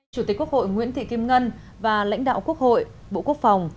chủ tịch quốc hội nguyễn thị kim ngân và lãnh đạo quốc hội bộ quốc phòng